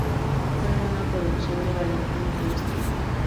Fue una producción de Valentin Pimstein.